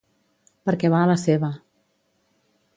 Perquè va a la seva.